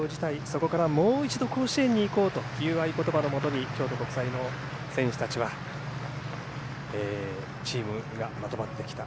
そこからもう一度甲子園に行こうという合言葉のもとに京都国際の選手たちはチームがまとまってきた。